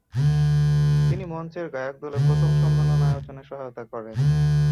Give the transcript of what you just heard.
তিনি মঞ্চের গায়কদলের প্রথম সম্মেলন আয়োজনে সহায়তা করেন।